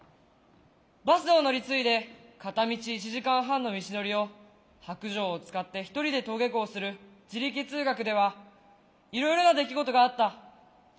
バスを乗り継いで片道１時間半の道のりを白じょうを使って一人で登下校する「自力通学」ではいろいろな出来事があった。